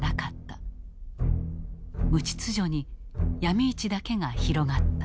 無秩序にヤミ市だけが広がった。